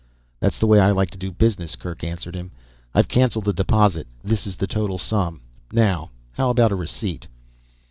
"That's the way I like to do business," Kerk answered him, "I've canceled the deposit, this is the total sum. Now how about a receipt."